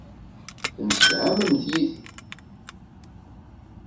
Temsefhamemt yid-i.